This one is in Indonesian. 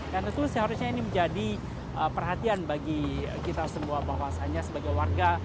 dan itu seharusnya menjadi perhatian bagi kita semua bahwasannya sebagai warga